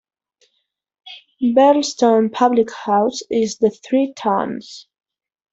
Barlestone's public house is The Three Tuns.